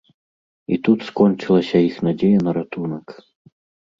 І тут скончылася іх надзея на ратунак.